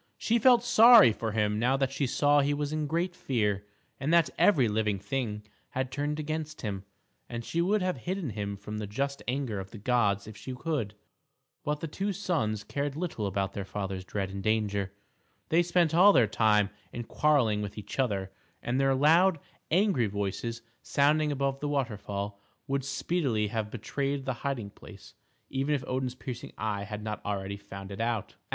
She felt sorry for him now that she saw he was in great fear, and that every living thing had turned against him, and she would have hidden him from the just anger of the gods if she could; but the two sons cared little about their father's dread and danger; they spent all their time in quarreling with each other; and their loud, angry voices, sounding above the waterfall, would speedily have betrayed the hiding place, even if Odin's piercing eye had not already found it out.